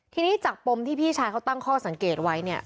ทีนี้จากปมที่พี่ชายเขาตั้งข้อสังเกตไว้เนี่ย